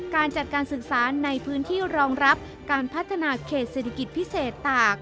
การจัดการศึกษาในพื้นที่รองรับการพัฒนาเขตเศรษฐกิจพิเศษตาก